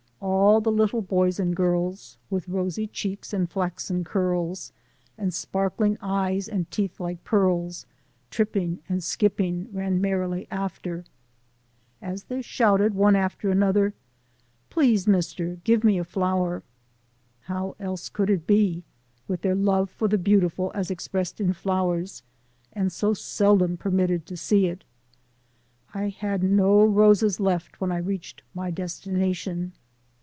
All the little boys and girls With rosy cheeks and flaxen curls, And sparkling eyes and teeth like pearls, Tripping and skipping, ran merrily after," as they shouted one after another : "Please, Mister, give me a flower." How else could it be, with their love for the beautiful as expressed in flowers, and so seldom permitted to see it ! I had no roses left when I reached my destination.